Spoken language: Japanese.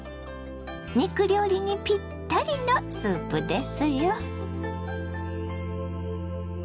肉料理にぴったりのスープですよ。